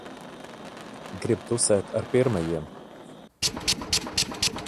Grib tusēt ar pirmajiem.